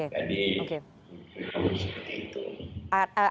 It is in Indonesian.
jadi seperti itu